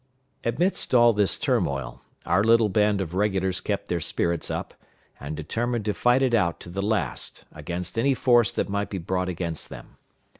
Amidst all this turmoil, our little band of regulars kept their spirits up, and determined to fight it out to the last against any force that might be brought against them.